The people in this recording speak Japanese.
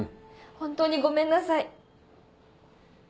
本当にごめんなさい。